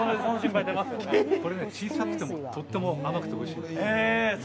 これ、小さくてもとっても甘くておいしいです。